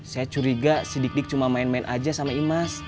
saya curiga sidik dik cuma main main aja sama imas